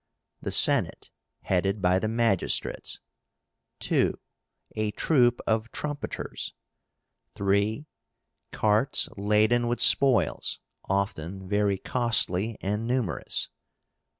The Senate, headed by the magistrates. 2. A troop of trumpeters. 3. Carts laden with spoils, often very costly and numerous.